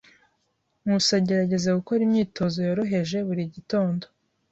Nkusi agerageza gukora imyitozo yoroheje buri gitondo.